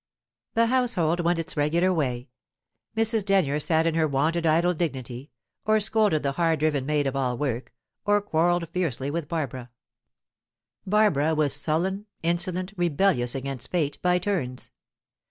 The household went its regular way. Mrs. Denyer sat in her wonted idle dignity, or scolded the hard driven maid of all work, or quarrelled fiercely with Barbara. Barbara was sullen, insolent, rebellious against fate, by turns.